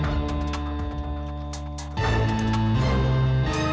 oh dia mau tau